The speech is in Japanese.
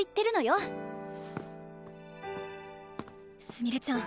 すみれちゃん。